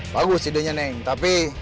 bagus idenya neng tapi